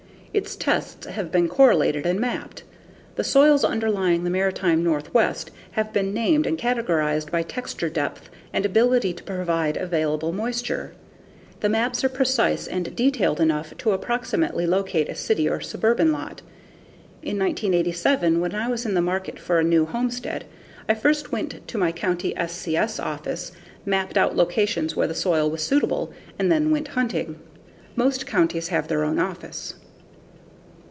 Its tests have been correlated and mapped; the soils underlying the maritime Northwest have been named and categorized by texture, depth, and ability to provide available moisture. The maps are precise and detailed enough to approximately locate a city or suburban lot. In 1987, when I was in the market for a new homestead, I first went to my county SCS office, mapped out locations where the soil was suitable, and then went hunting. Most counties have their own office.